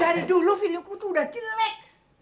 dari dulu videoku tuh udah jelek